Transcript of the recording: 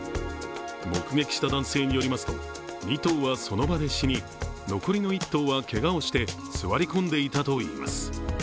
目撃した男性によりますと、２頭はその場で死に、残りの１頭はけがをして座り込んでいたといいます。